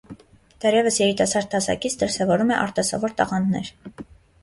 Դեռևս երիտասարդ հասակից դրսևորել է արտասովոր տաղանդներ։